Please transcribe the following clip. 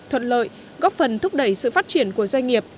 thuận lợi góp phần thúc đẩy sự phát triển của doanh nghiệp